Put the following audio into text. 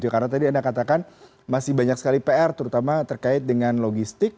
karena tadi anda katakan masih banyak sekali pr terutama terkait dengan logistik